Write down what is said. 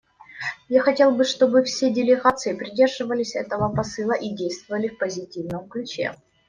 Я хотел бы, чтобы все делегации придерживались этого посыла и действовали в позитивном ключе.